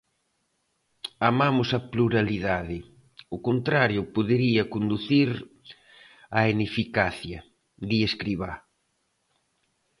Amamos a pluralidade: o contrario podería conducir á ineficacia di Escrivá.